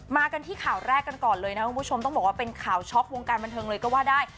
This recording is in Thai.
กันที่ข่าวแรกกันก่อนเลยนะครับคุณผู้ชมต้องบอกว่าเป็นข่าวช็อกวงการบันเทิงเลยก็ว่าได้